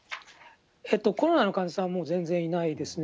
コロナの患者さんはもう全然いないですね。